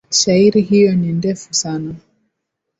Shairi hiyo ni ndefu sana.